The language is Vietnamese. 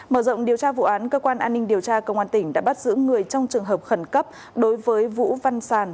mở rộng điều tra vụ án cơ quan an ninh điều tra công an tỉnh đã bắt giữ người trong trường hợp khẩn cấp đối với vũ văn sàn